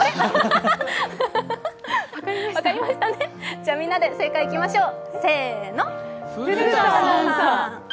じゃ、みんなで正解いきましょう。